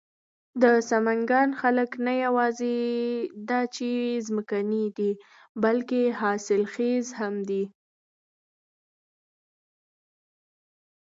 د سمنگان خلک نه یواځې دا چې ځمکني دي، بلکې حاصل خيز هم دي.